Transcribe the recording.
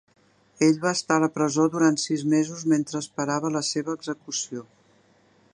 Ell va estar a la presó durant sis mesos mentre esperava la seva execució.